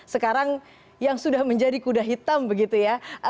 sekarang yang sudah menjadi kuda hitam begitu ya